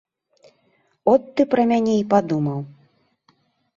От ты пра мяне і падумаў.